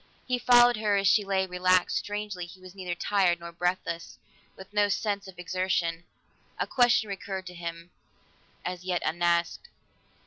He followed her as she lay relaxed; strangely, he was neither tired nor breathless, with no sense of exertion. A question recurred to him, as yet unasked.